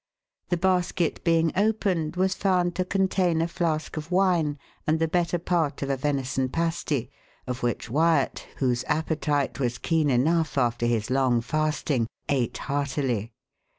The basket being opened, was found to contain a flask of wine and the better part of a venison pasty, of which Wyat, whose appetite was keen enough after his long fasting, ate heartily.